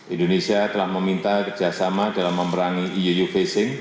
indonesia telah meminta kerjasama dalam memerangi eu uv sing